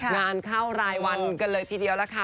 งานเข้ารายวันกันเลยทีเดียวล่ะค่ะ